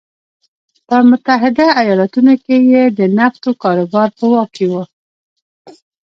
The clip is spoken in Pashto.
په متحده ایالتونو کې یې د نفتو کاروبار په واک کې و.